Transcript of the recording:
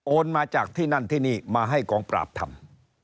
มาจากที่นั่นที่นี่มาให้กองปราบทำ